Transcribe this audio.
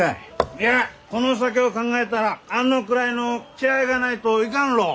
いやこの先を考えたらあのくらいの気概がないといかんろう！